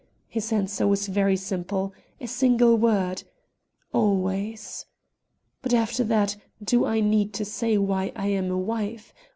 His answer was very simple; a single word, 'always.' But after that, do I need to say why I am a wife?